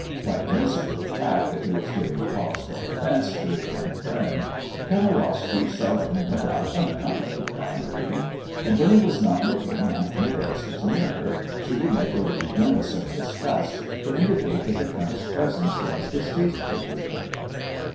Quite innocent of the fact that he was giving cause for offence to his young friend, Kamarowsky seldom went out unaccompanied by Marie; and, when he was not looking and Nicholas was near her, she would make a little grimace of disgust to indicate that the count's presence was distasteful to her.